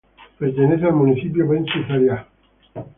Pertenece al municipio Ventsy-Zariá.